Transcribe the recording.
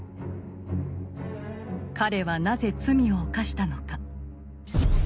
彼はなぜ罪を犯したのか？